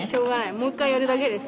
もう一回やるだけです。